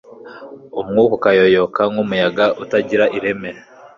umwuka ukayoyoka nk'umuyaga utagira ireme